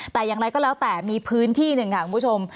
แต่อย่างไรก็แล้วแต่มีพื้นที่หนึ่งค่ะคุณผู้ชม